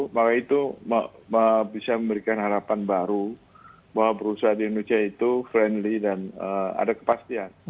maka itu bisa memberikan harapan baru bahwa perusahaan di indonesia itu friendly dan ada kepastian